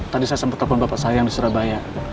tadi saya sempet telepon bapak sayang di surabaya